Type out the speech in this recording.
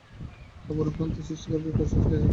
অপরূপ ভ্রান্তি সৃষ্টি করিবার কৌশল সে জানে চমৎকার।